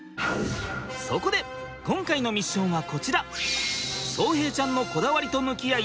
そこで今回のミッションはこちら。